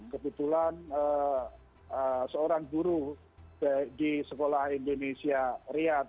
kebetulan seorang guru di sekolah indonesia riyad